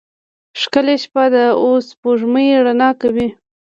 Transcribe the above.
ښکلی شپه ده او سپوږمۍ رڼا کوي.